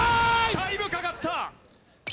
タイムかかった！